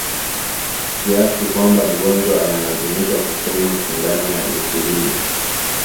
kiasi kwamba mgonjwa analazimika kuchomwa sindano ya insulini